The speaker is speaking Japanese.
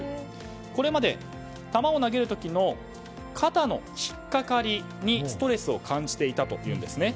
これまで球を投げる時の肩の引っかかりにストレスを感じていたというんですね。